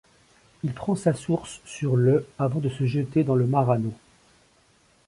Il prend sa source sur le avant de se jeter dans le Marano.